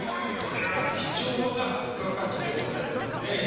これは貴重な付加価値でございますね。